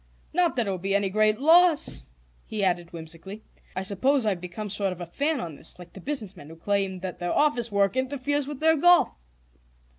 Not that it will be any great loss," he added whimsically. "I suppose I've become a sort of fan on this, like the business men who claim that their office work interferes with their golf."